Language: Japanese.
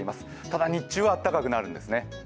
ただ日中は暖かくなるんですね。